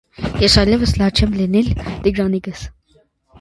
- Ես այլևս լաց չեմ լինիլ, Տիգրանիկս…